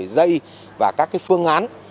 dây và các phương án